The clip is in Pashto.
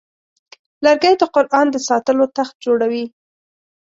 لرګی د قرآن د ساتلو تخت جوړوي.